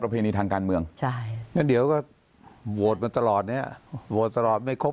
ประเพณีทางการเมืองก็เดี่ยวก็โวทธมาตลอดนี้โวทธตลอดไม่ครบ